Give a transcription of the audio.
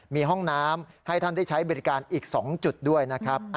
มีห้องน้ำให้ท่านได้ใช้บริการอีก๒จุดด้วยนะครับ